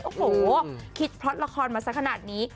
โอ้โหคิดพล็อตละครมาสักขนาดนี้